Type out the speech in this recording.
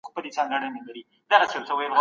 ملتونه ولي د رایې ورکولو حق تضمینوي؟